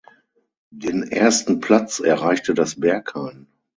Den ersten Platz erreichte das Berghain.